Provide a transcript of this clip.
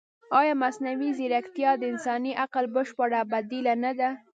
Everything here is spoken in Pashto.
ایا مصنوعي ځیرکتیا د انساني عقل بشپړه بدیله نه ده؟